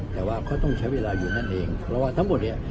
แต่ว่าเขาต้องใช้เวลาอยู่นั่นเองเพราะว่าทั้งหมดเนี่ย